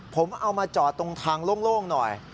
ผมเอามาจอดตรงทางโล่งหน่อย